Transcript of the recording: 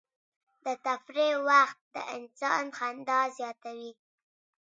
د تفریح وخت د انسان خندا زیاتوي.